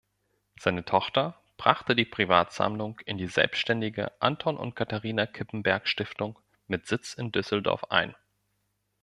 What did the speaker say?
Seine Tochter brachte die Privatsammlung in die selbständige Anton-und-Katharina-Kippenberg-Stiftung mit Sitz in Düsseldorf ein.